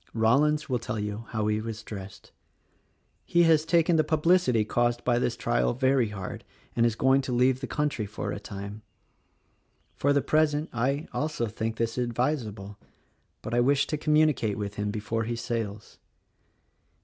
Rollins will tell you how he was dressed. He has taken the publicity caused by the trial very hard, and is going to leave the country for a time. For the present, I. also, think this advisable; but I wish to communicate with him before he sails.